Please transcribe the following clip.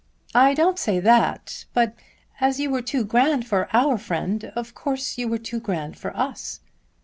"I don't say that. But as you were too grand for our friend of course you were too grand for us."